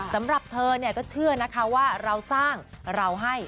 สำหรับเธอเนี่ยก็เชื่อนะคะว่าเราสร้างเราให้